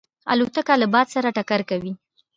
الوتکه له باد سره ټکر کوي.